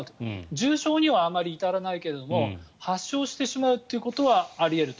重症にはあまり至らないけど発症してしまうことはあり得ると。